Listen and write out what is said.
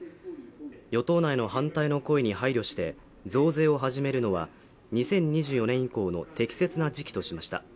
与党内の反対の声に配慮して増税を始めるのは２０２４年以降の適切な時期としました